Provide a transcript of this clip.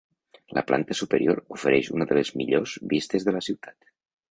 La planta superior oferix una de les millors vistes de la ciutat.